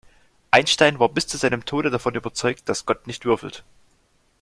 Einstein war bis zu seinem Tode davon überzeugt, dass Gott nicht würfelt.